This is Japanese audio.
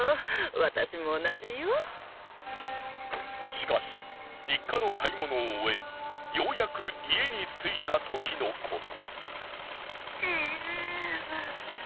しかし日課の買い物を終えようやく家に着いた時のこと。